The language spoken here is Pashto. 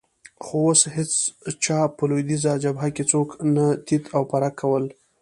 خو اوس هېڅ چا په لوېدیځه جبهه کې څوک نه تیت او پرک کول.